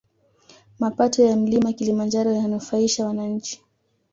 Mapato ya mlima kilimanjaro yananufaisha wananchi